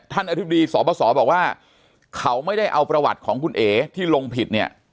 อธิบดีสบสบอกว่าเขาไม่ได้เอาประวัติของคุณเอ๋ที่ลงผิดเนี่ย